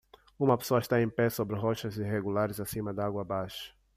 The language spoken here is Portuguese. Uma pessoa está em pé sobre rochas irregulares acima da água abaixo.